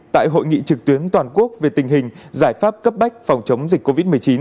tại hội nghị trực tuyến toàn quốc về tình hình giải pháp cấp bách phòng chống dịch covid một mươi chín